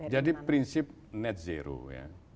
jadi prinsip net zero ya